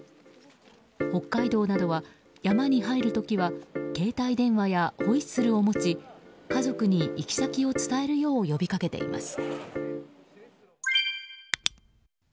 北海道などは、山に入る時は携帯電話やホイッスルを持ち家族に行先を伝えるよう呼びかけています。